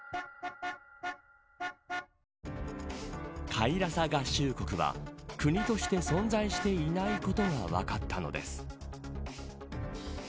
カイラサ合衆国は国として存在していないことが分かったのです。